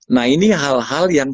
nah ini hal hal yang